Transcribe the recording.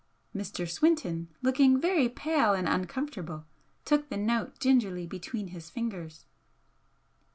Mr. Swinton, looking very pale and uncomfortable, took the note gingerly between his fingers.